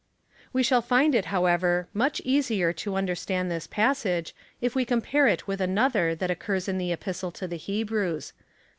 We shall find it, however, much easier to understand this passage, if we compare it with another that occurs in the Epistle to the Hebrews (iv.